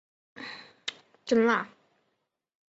扶南国有属国真腊。